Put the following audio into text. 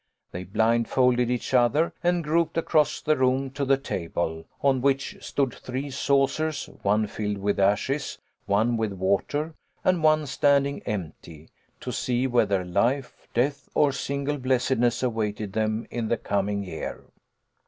They blindfolded each other and groped across the room to the table, on which stood three saucers, one filled with ashes, one with water, and one standing empty, to see whether life, death, or single blessedness awaited them in the coming year.